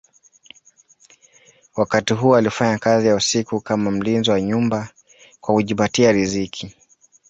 Wakati huu alifanya kazi ya usiku kama mlinzi wa nyumba kwa kujipatia riziki.